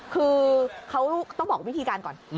คือเขาต้องบอกวิธีการก่อน